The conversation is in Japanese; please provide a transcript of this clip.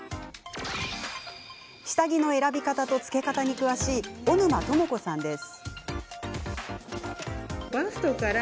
下着の選び方と着け方に詳しいおぬまともこさんです。